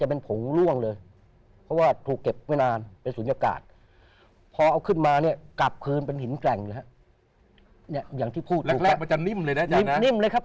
จะเป็นผงล่วงเลยเพราะว่าถูกเก็บไม่นานเป็นสุ่นยกาศพอออกขึ้นมาเนี่ยกราบคืนเป็นฮินแกร่งเลยครับ